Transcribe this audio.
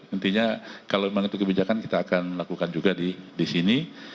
intinya kalau memang itu kebijakan kita akan lakukan juga di sini